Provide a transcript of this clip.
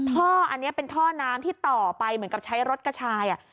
ท่ออันนี้เป็นท่อน้ำที่ต่อไปเหมือนกับใช้รถกระชาย